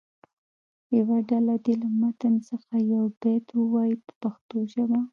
یوه ډله دې له متن څخه یو بیت ووایي په پښتو ژبه.